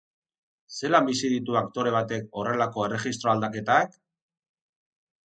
Zelan bizi ditu aktore batek horrelako erregistro aldaketak?